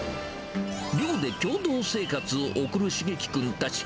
寮で共同生活を送る蒼基君たち。